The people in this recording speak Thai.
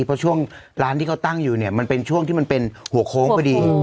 เพราะช่วงร้านที่เขาตั้งอยู่เนี่ยมันเป็นช่วงที่มันเป็นหัวโค้งพอดี